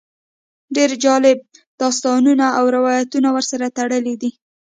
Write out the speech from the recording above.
ډېر جالب داستانونه او روایتونه ورسره تړلي دي.